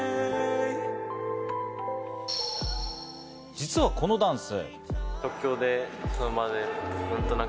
実はこのダンス。